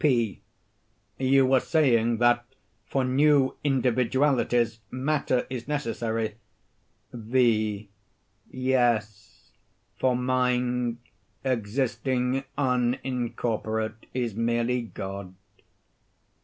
P. You were saying that "for new individualities matter is necessary." V. Yes; for mind, existing unincorporate, is merely God.